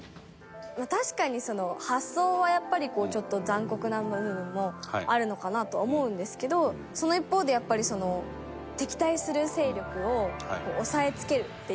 確かにその発想はやっぱりこうちょっと残酷な部分もあるのかなとは思うんですけどその一方でやっぱり敵対する勢力をおさえつけるっていう。